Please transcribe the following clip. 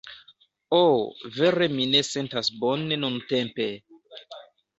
Oh... vere mi ne sentas bone nuntempe!